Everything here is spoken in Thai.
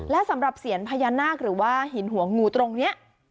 และสำหรับเสียนพญานาคหรือว่าหินหัวงูตรงนี้